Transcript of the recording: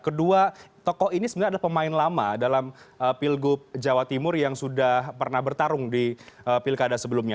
kedua tokoh ini sebenarnya adalah pemain lama dalam pilgub jawa timur yang sudah pernah bertarung di pilkada sebelumnya